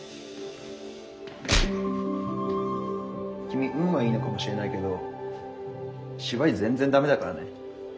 君運はいいのかもしれないけど芝居全然駄目だからね。